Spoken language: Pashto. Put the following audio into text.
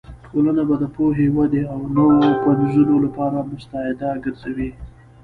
ټولنه به د پوهې، ودې او نوو پنځونو لپاره مستعده ګرځوې.